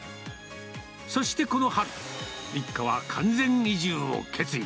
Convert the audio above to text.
そしてこの春、一家は完全移住を決意。